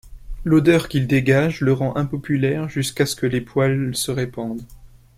L'odeur qu'il dégage le rend impopulaire jusqu'à ce que les poêles se répandent.